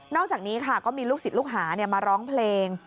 อกจากนี้ค่ะก็มีลูกศิษย์ลูกหามาร้องเพลง